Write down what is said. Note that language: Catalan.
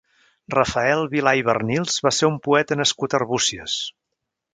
Rafael Vilà i Barnils va ser un poeta nascut a Arbúcies.